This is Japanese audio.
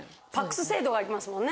がありますもんね。